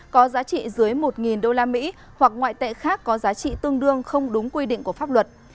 có giá trị dưới một usd hoặc ngoại tệ khác có giá trị tương đương không đúng quy định của pháp luật